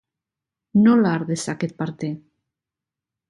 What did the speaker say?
Nola har dezaket parte?